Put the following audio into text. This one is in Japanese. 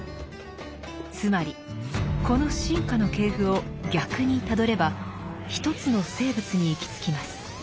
つまりこの進化の系譜を逆にたどれば一つの生物に行き着きます。